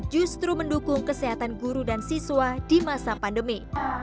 justru mendukung kesehatan guru dan siswa di masa pandemi